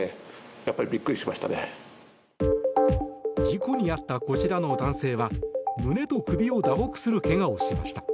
事故に遭った、こちらの男性は胸と首を打撲するけがをしました。